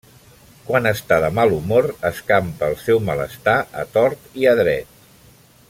Quan està de mal humor escampa el seu malestar a tort i a dret.